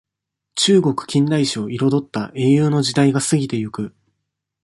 中国近代史をいろどった、英雄の時代が過ぎてゆく。